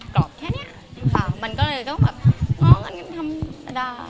กรอบแค่นี้อ่ะมันก็เลยก็ต้องแบบมากกับทำประดาษ